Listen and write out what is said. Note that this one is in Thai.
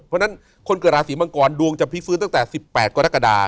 เพราะฉะนั้นคนเกิดราศีมังกรดวงจะพลิกฟื้นตั้งแต่๑๘กรกฎา